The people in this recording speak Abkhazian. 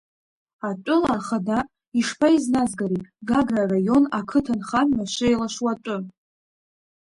Атәыла ахада ишԥаизназгари Гагра араион ақыҭанхамҩа шеилашуа атәы?